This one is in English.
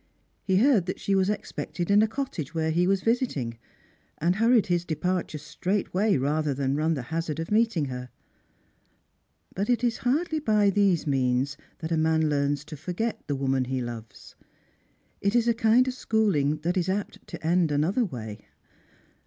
He heard that she was expected in a cottage where he was visiting, and hurried his departure straightway rather than run the hazard of meeting her. But it is hardly by these means that a man learns to for get the woman he loves. It is a kind of schooling that is apt to end another way.